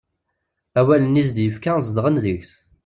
Awalen i as-d-yefka zedɣen deg-s.